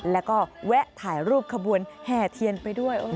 แล้วก็แวะถ่ายรูปขบวนแห่เทียนไปด้วย